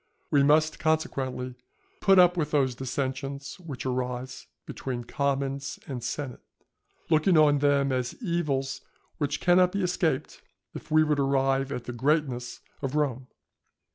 We must, consequently, put up with those dissensions which arise between commons and senate, looking on them as evils which cannot be escaped if we would arrive at the greatness of Rome.